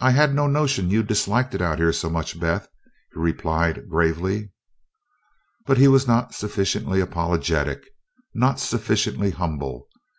"I had no notion you disliked it out here so much, Beth," he replied gravely. But he was not sufficiently apologetic, not sufficiently humble.